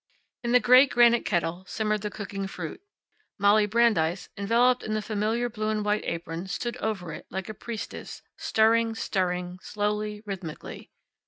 In the great granite kettle simmered the cooking fruit Molly Brandeis, enveloped in the familiar blue and white apron, stood over it, like a priestess, stirring, stirring, slowly, rhythmically.